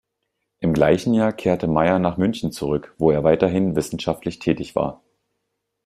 Im gleichen Jahr kehrte Mayer nach München zurück, wo er weiterhin wissenschaftlich tätig war.